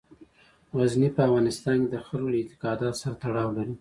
غزني په افغانستان کې د خلکو له اعتقاداتو سره تړاو لري.